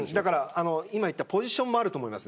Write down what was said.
今言ったポジションもあると思います。